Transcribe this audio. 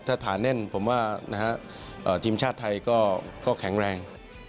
ถ้าฐานแน่นผมว่าทีมชาติไทยก็แข็งแรง